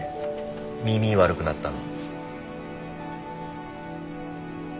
耳悪くなったの。